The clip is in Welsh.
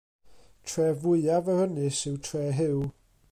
Tref fwyaf yr ynys yw Tre Huw.